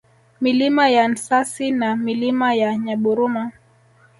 Milima ya Nsasi na Milima ya Nyaburuma